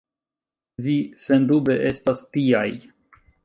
Vi sendube estas tiaj.